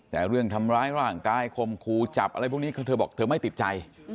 แต่เรื่องทำร้ายร่างกายคมครูจับอะไรพวกนี้เธอบอกเธอไม่ติดใจ